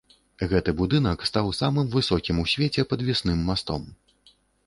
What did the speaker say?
Гэты будынак стаў самым высокім у свеце падвесным мастом.